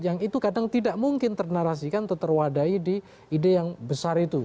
yang itu kadang tidak mungkin ternarasikan atau terwadai di ide yang besar itu